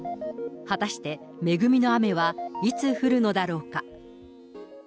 果たして恵みの雨はいつ降るのだろうか。